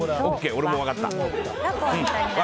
俺も分かった！